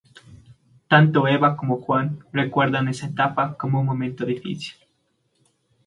Tanto Eva como Juan recuerdan esta etapa como un momento difícil.